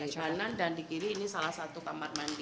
di kanan dan di kiri ini salah satu kamar mandi